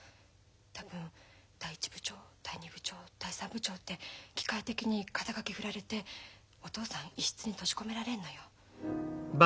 多分第一部長第二部長第三部長って機械的に肩書振られてお父さん一室に閉じ込められんのよ。